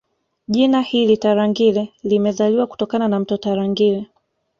Jina hili Tarangire limezaliwa kutokana na mto Tarangire